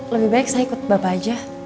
lebih baik saya ikut bapak aja